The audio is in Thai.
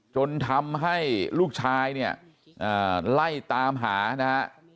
จนทำให้ลูกชายเนี่ยไล่ตามหานะฮะ